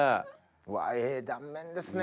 うわええ断面ですね。